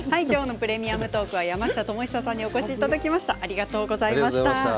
今日の「プレミアムトーク」は山下智久さんにお越しいただきました。